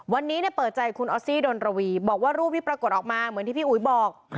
วันนี้เปิดใจคุณออสซี่ดนระวีบอกว่ารูปที่ปรากฏออกมาเหมือนที่พี่อุ๋ยบอก